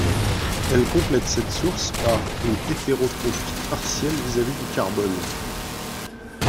Elles complètent cette source par une hétérotrophie partielle vis-à-vis du carbone.